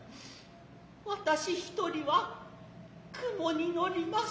私一人は雲に乗ります。